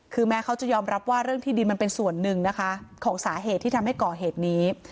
คือแม้เขาจะยอมรับว่าเรื่องที่ดินมันเป็นส่วนหนึ่งนะคะของสาเหตุที่ทำให้ก่อเหตุนี้